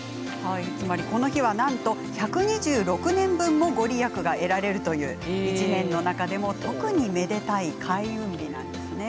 この日はなんと１２６年分も御利益が得られるという１年の中でも特にめでたい開運日なんです。